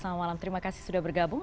selamat malam terima kasih sudah bergabung